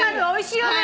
おいしい。